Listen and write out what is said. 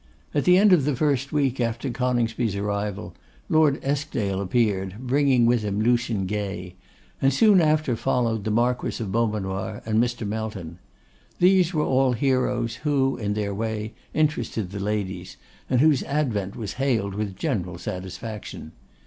At the end of the first week after Coningsby's arrival, Lord Eskdale appeared, bringing with him Lucian Gay; and soon after followed the Marquess of Beaumanoir and Mr. Melton. These were all heroes who, in their way, interested the ladies, and whose advent was hailed with general satisfaction.